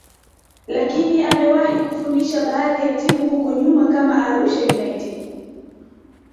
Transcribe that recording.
lakini amewahi kufundisha baadhi ya timu huko nyuma kama Arusha United